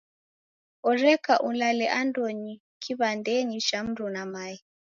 Oreka ulale andonyi kiw'andenyi cha mruna mae.